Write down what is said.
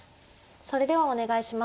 それではお願いします。